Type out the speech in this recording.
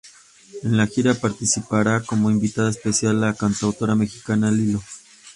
En la gira participará como invitada especial la cantautora mexicana Lilo.